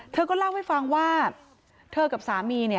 เธอก็เล่าให้ฟังว่าเธอกับสามีเนี่ย